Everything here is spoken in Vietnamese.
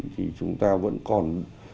thì chúng ta vẫn còn